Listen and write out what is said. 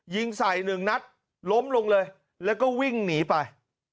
ยิงใส่หนึ่งนัดล้มลงเลยแล้วก็วิ่งหนีไป